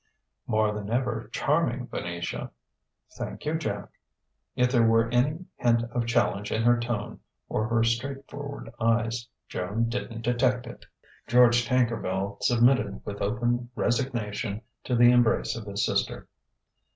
"More than ever charming, Venetia!" "Thank you, Jack." If there were any hint of challenge in her tone or her straightforward eyes, Joan didn't detect it. George Tankerville submitted with open resignation to the embrace of his sister.